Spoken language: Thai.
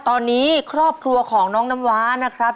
ตอนนี้ครอบครัวของน้องน้ำว้านะครับ